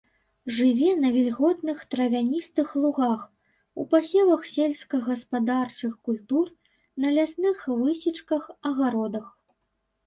Жыве на вільготных травяністых лугах, у пасевах сельскагаспадарчых культур, на лясных высечках, агародах.